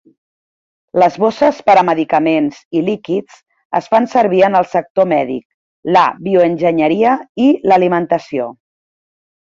Les bosses per a medicaments i líquids es fan servir en el sector mèdic, la bioenginyeria i l'alimentació.